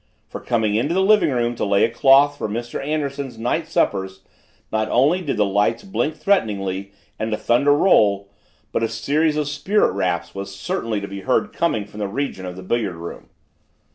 For, coming into the living room to lay a cloth for Mr. Anderson's night suppers not only did the lights blink threateningly and the thunder roll, but a series of spirit raps was certainly to be heard coming from the region of the billiard room.